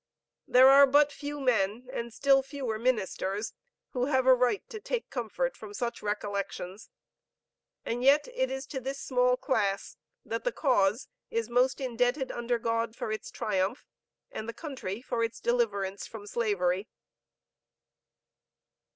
There are but few men, and still fewer ministers, who have a right to take comfort from such recollections! and yet it is to this small class that the cause is most indebted under God, for its triumph, and the country for its deliverance from Slavery.